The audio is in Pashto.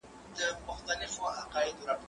زه له سهاره زده کړه کوم؟!